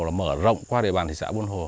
là mở rộng qua địa bàn thị xã buôn hồ